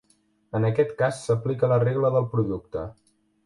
En aquest cas s'aplica la regla del producte.